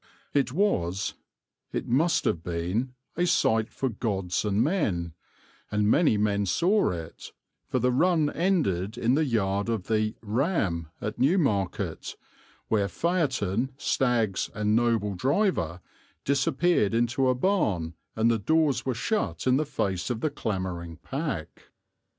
It was, it must have been, a sight for gods and men; and many men saw it; for the run ended in the yard of the "Ram" at Newmarket, where phaeton, stags, and noble driver disappeared into a barn and the doors were shut in the face of the clamouring pack.